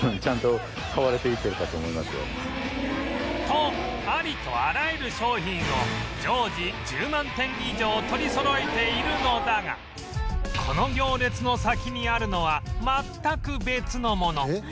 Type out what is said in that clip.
とありとあらゆる商品を常時１０万点以上取りそろえているのだがこの行列の先にあるのは全く別のもの